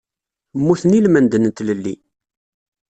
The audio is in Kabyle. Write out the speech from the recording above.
Mmuten i lmend n tlelli.